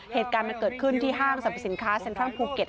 เหตุการณ์มันเกิดขึ้นที่ห้างสรรพสินค้าเซ็นทรัลภูเก็ต